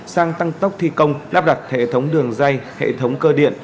sang tăng tốc thi công lắp đặt hệ thống đường dây hệ thống cơ điện